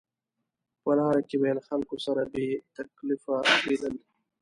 په لاره کې به یې له خلکو سره بې تکلفه لیدل.